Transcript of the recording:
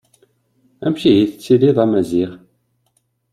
Amek ihi i tettiliḍ a Maziɣ?